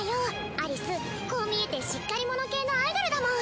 アリスこう見えてしっかり者系のアイドルだもん。